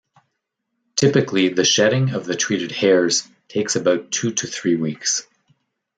Typically the shedding of the treated hairs takes about two to three weeks.